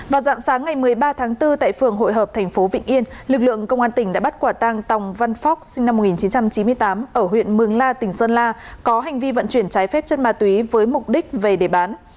vào dạng sáng ngày một mươi ba tháng bốn tại phường hội hợp thành phố vịnh yên lực lượng công an tỉnh đã bắt quả tăng tòng văn phóc sinh năm một nghìn chín trăm chín mươi tám ở huyện mường la tỉnh sơn la có hành vi vận chuyển trái phép chất ma túy với mục đích về để bán